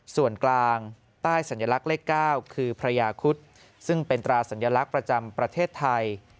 ส่วนกลางใต้สัญลักษณ์เลข๙คือพระยาคุศซึ่งเป็นตราสัญลักษณ์ประจำประเทศไทย